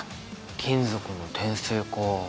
金属の展性か。